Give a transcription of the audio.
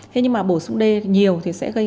thế nhưng mà bổ sung d nhiều thì sẽ gây